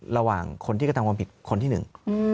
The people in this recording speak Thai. ระหว่างคนที่กระทำความผิดคนที่หนึ่ง